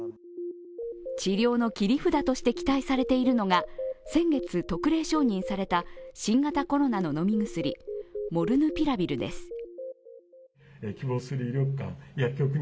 治療の切り札として期待されているのが先月、特例承認された新型コロナの飲み薬モルヌピラビルです。